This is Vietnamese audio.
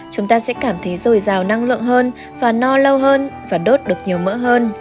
chúng ta sẽ cảm thấy dồi dào năng lượng hơn và no lâu hơn và đốt được nhiều mỡ hơn